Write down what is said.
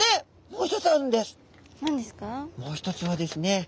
もう一つはですね